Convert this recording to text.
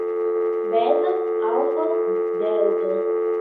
Beta, alfa, delta